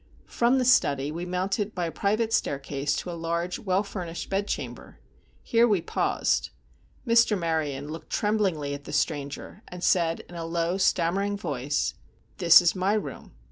From the study we mounted by a private staircase to a large, well furnished bed chamber. Here we paused. Mr. Maryon looked tremblingly at the stranger, and said, in a low, stammering voice: "This is my room.